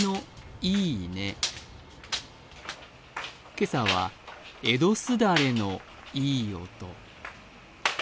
今朝は、江戸すだれのいい音。